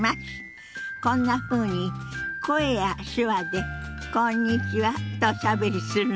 こんなふうに声や手話で「こんにちは」とおしゃべりするの。